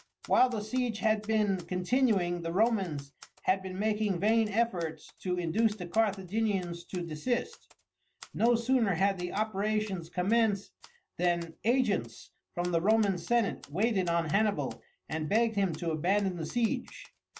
While the siege had been continuing the Romans had been making vain efforts to induce the Carthaginians to desist. No sooner had the operations commenced than agents from the Roman senate waited on Hannibal and begged him to abandon the siege.